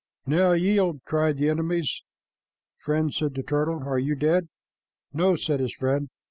"Now yield!" cried the enemies. "Friend," said Turtle, "are you dead?" "No," said his friend.